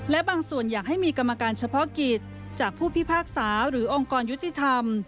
และบางส่วนอยากให้มีกรรมการเฉพาะกิจจากผู้พิพากษาหรือองค์กรยุติธรรม